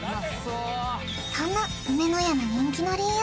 そんな梅乃家の人気の理由